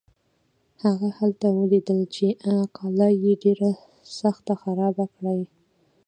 هغه هلته ولیدل چې قلا یې ډېره سخته خرابه کړې.